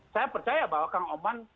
saya percaya bahwa kang oman